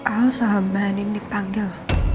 elsa bernin dipanggil